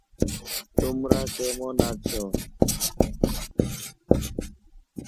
নিবন্ধগুলি video এবং audio file পাশাপাশি অসংখ্য উচ্চ-মানের চিত্রের সাথে পরিপূরক ছিল।